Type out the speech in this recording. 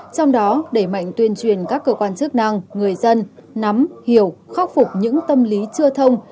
trong đó đẩy mạnh tuyên truyền các cơ quan chức năng người dân nắm hiểu khắc phục những tâm lý chưa thông